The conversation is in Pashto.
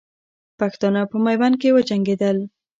پښتانه په میوند کې وجنګېدل.